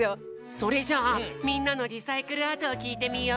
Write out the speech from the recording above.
それじゃあみんなのリサイクルアートをきいてみよう！